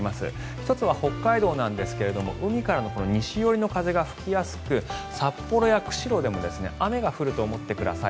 １つは北海道なんですが海からの西寄りの風が吹きやすく札幌や釧路でも雨が降ると思ってください。